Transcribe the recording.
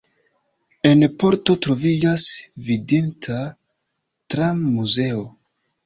En Porto troviĝas vidinda tram-muzeo.